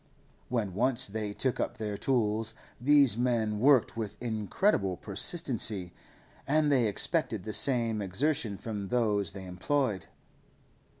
When once they took up their tools, these men worked with incredible persistency, and they expected the same exertion from those they employed.